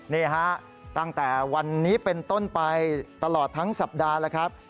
นี่ฮะตั้งแต่วันนี้เป็นต้นไปตลอดทั้งสัปดาห์แล้วครับ